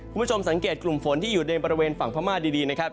คุณผู้ชมสังเกตกลุ่มฝนที่อยู่ในบริเวณฝั่งพม่าดีนะครับ